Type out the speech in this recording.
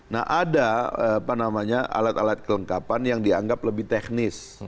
nah ada alat alat kelengkapan yang dianggap lebih teknis